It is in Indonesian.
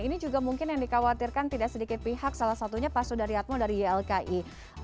ini juga mungkin yang dikhawatirkan tidak sedikit pihak salah satunya pak sudaryatmo dari ylki